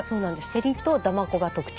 せりとだまこが特徴。